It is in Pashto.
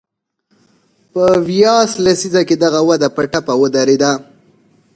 په ویاس لسیزه کې دغه وده په ټپه ودرېده.